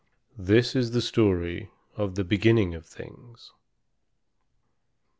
This is the story of the Beginning of Things.